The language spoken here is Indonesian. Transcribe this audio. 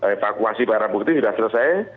evakuasi barang bukti sudah selesai